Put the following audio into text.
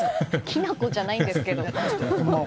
きな粉じゃないんですけど。